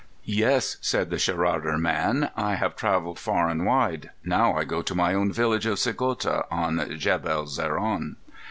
"Yes," said the Sherarda man, "I have travelled far and wide. Now I go to my own village of Sigota, on Jebel Zarhon."